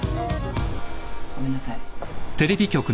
ごめんなさい。